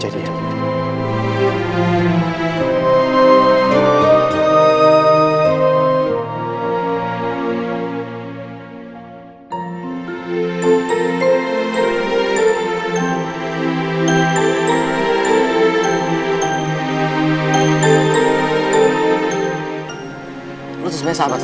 jadi ada hubungan apa diantara